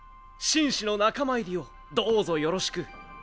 紳士の仲間入りをどうぞよろしく。